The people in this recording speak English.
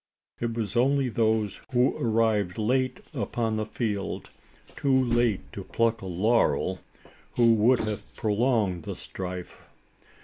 It was only those who arrived late upon the field too late to pluck a laurel who would have prolonged the strife.